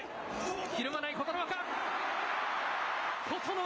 ひるまない、琴ノ若。